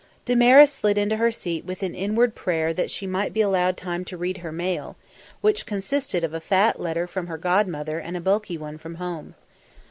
Damaris slid into her seat with an inward prayer that she might be allowed time to read her mail, which consisted of a fat letter from her godmother and a bulky one from home.